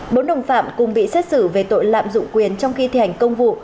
bốn đồng phạm cùng bị xét xử về tội lạm dụng quyền trong khi thi hành công vụ